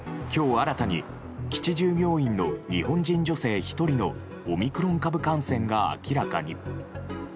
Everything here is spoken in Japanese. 新たに基地従業員の日本人女性１人のオミクロン株感染が明らかに。